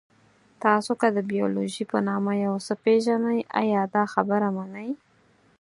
تاسو که د بیولوژي په نامه یو څه پېژنئ، ایا دا خبره منئ؟